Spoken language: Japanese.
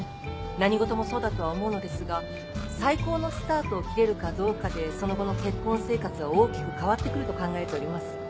何事もそうだとは思うのですが最高のスタートを切れるかどうかでその後の結婚生活は大きく変わってくると考えております。